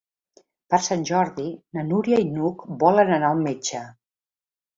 Per Sant Jordi na Núria i n'Hug volen anar al metge.